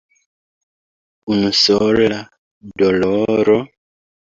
Unusola doloro?